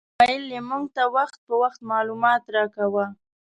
ویل یې موږ ته وخت په وخت معلومات راکاوه.